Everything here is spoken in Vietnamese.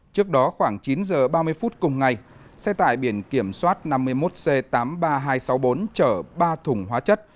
trước đó khoảng chín h ba mươi phút cùng ngày xe tải biển kiểm soát năm mươi một c tám mươi ba nghìn hai trăm sáu mươi bốn chở ba thùng hóa chất